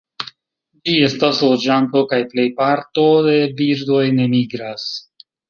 Ĝi estas loĝanto, kaj plej parto de birdoj ne migras.